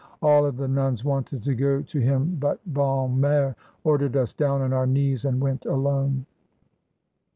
"All of the nuns wanted to go to him, but Bonne Mire ordered us down on our knees and went alone.